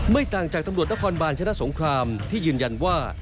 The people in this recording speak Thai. ต่างจากตำรวจนครบาลชนะสงครามที่ยืนยันว่า